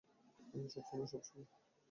সব সময়, সব সময়?